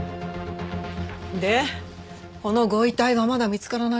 でこのご遺体はまだ見つからないの？